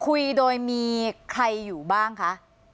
คุยโดยมีใครอยู่บ้างคะ